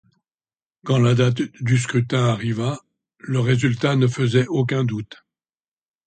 Quand la date du scrutin arriva, le résultat ne faisait aucun doute.